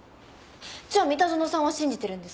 じゃあ三田園さんは信じてるんですか？